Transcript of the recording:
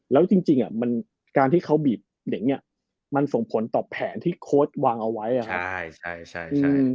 แล้วจริงจริงอ่ะมันการที่เขาบีบอย่างเงี้ยมันส่งผลต่อแผนที่โค้ชวางเอาไว้อะใช่ใช่ใช่